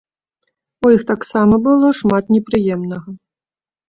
У іх таксама было шмат непрыемнага.